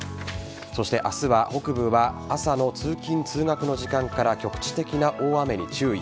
そして明日は北部は朝の通勤通学の時間帯から局地的な大雨に注意。